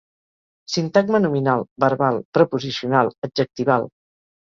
Sintagma nominal, verbal, preposicional, adjectival.